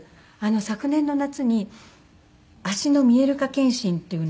昨年の夏に足の見えるか検診っていうのを受けまして。